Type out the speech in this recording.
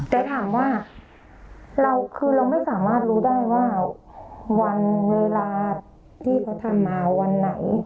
แต่ถามว่าเราคือเราไม่สามารถรู้ได้ว่าวันเวลาที่เขาทำมาวันไหน